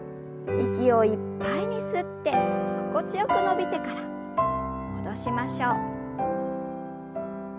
息をいっぱいに吸って心地よく伸びてから戻しましょう。